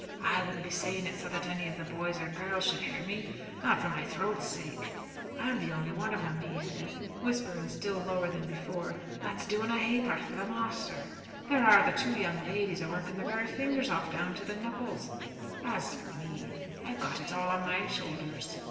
"I wouldn't be saying it so that any of the boys or girls should hear me, not for my throat's sake. I am the only one of 'em," he added, whispering still lower than before, "that's doing a ha'porth for the masther. There are the two young ladies a working their very fingers off down to the knuckles. As for me, I've got it all on my shoulders."